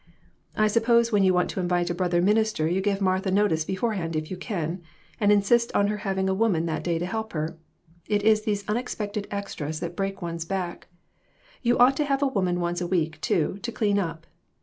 I suppose when you want to invite a brother minister you give Martha notice beforehand if you can, and insist on her having a woman that day to help her. It is these unexpected extras that break one's back. You ought to have a woman once a week, too, to clean up.